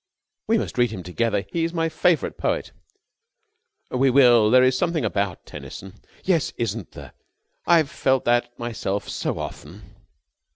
"We must read him together. He is my favourite poet!" "We will! There is something about Tennyson...." "Yes, isn't there! I've felt that myself so often!"